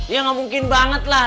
iya nggak mungkin banget lah